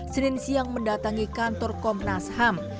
senin siang mendatangi kantor komnas ham